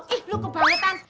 ih lo kebangetan